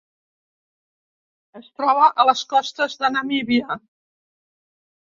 Es troba a les costes de Namíbia.